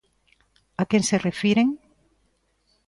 ¿A que se refiren?